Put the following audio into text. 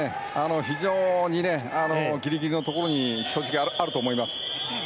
非常にギリギリのところに正直、あると思います。